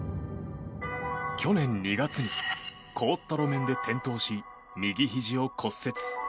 去年２月に凍った路面で転倒し右ひじを骨折。